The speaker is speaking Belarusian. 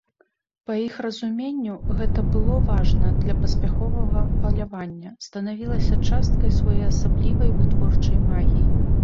Па іх разуменню гэта было важна для паспяховага палявання, станавілася часткай своеасаблівай вытворчай магіі.